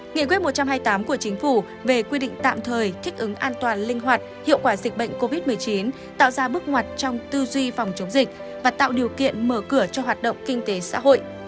nghị quyết một trăm hai mươi tám của chính phủ về quy định tạm thời thích ứng an toàn linh hoạt hiệu quả dịch bệnh covid một mươi chín tạo ra bước ngoặt trong tư duy phòng chống dịch và tạo điều kiện mở cửa cho hoạt động kinh tế xã hội